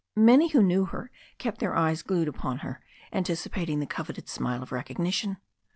Many who knew her kept their eyes glued upon her, anticipating the coveted smile of recognition.